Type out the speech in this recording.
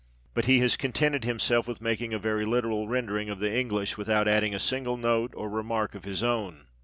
But he has contented himself with making a very literal rendering of the English, without adding a single note or remark of his own.